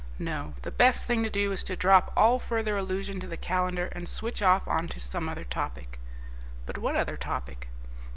No, the best thing to do is to drop all further allusion to the calendar and switch off on to some other topic." "But what other topic?"